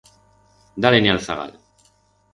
Da-le-ne a'l zagal.